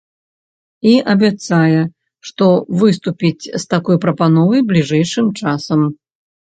І абяцае, што выступіць з такой прапановай бліжэйшым часам.